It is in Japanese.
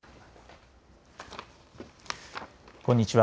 こんにちは。